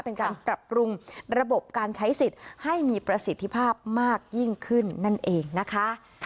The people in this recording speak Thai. เป็นการปรับปรุงระบบการใช้สิทธิ์ให้มีประสิทธิภาพมากยิ่งขึ้นนั่นเองนะคะ